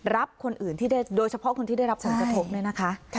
รับคนอื่นโดยเฉพาะคนที่ได้รับผลกระทบ